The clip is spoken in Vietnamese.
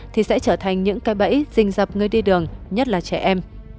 thì sẽ trở thành những cây bẫy rình dập người đi đường nhất là trẻ em